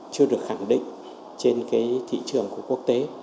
chưa được khẳng định trên cái thị trường của quốc tế